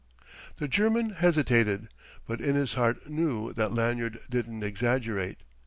The German hesitated, but in his heart knew that Lanyard didn't exaggerate.